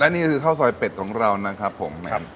นี่คือข้าวซอยเป็ดของเรานะครับผม